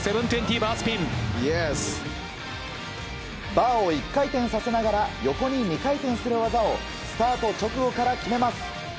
バーを１回転させながら横に２回転する技をスタート直後から決めます。